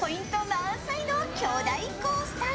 満載の巨大コースター。